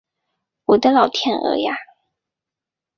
我的老天鹅啊